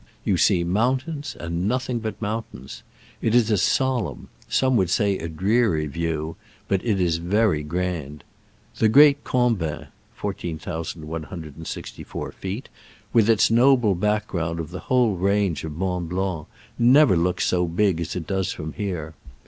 You see mountains, and nothing but mountains. It is a solemn — some would say a dreary — view, but it is very grand. The great Combin (14,164 feet), with its noble background of the whole range of Mont Blanc, never looks so big as it does from here.